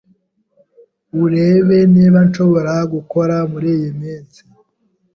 urebe niba nshobora gukora muriyiminsi